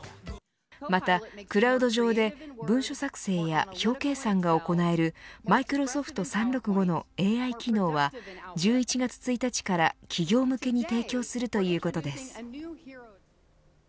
また、クラウド上で文書作成や表計算が行えるマイクロソフト３６５のＡＩ機能は１１月１日から企業向けに提供するということです。